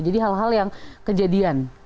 jadi hal hal yang kejadian